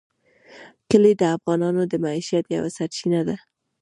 کلي د افغانانو د معیشت یوه سرچینه ده.